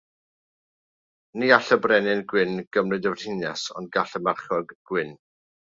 Ni all y brenin gwyn gymryd y frenhines, ond gall y marchog gwyn.